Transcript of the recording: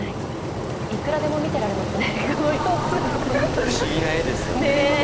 いくらでも見てられますね